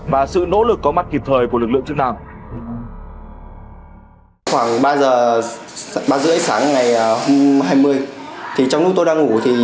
và sự nỗ lực có mắt kịp thời